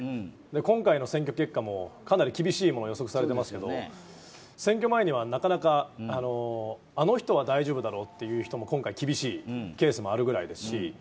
今回の選挙結果もかなり厳しいものが予測されていますが選挙前にはあの人は大丈夫だろうという人も今回厳しいケースもあるわけですし。